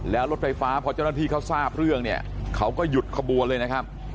แล้วรถไฟฟ้าพอเจ้าหน้าที่เขาทราบเรื่องเนี่ยเขาก็หยุดขบวนเลยนะครับ